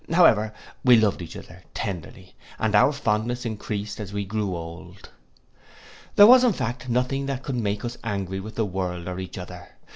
However, we loved each other tenderly, and our fondness encreased as we grew old. There was in fact nothing that could make us angry with the world or each other.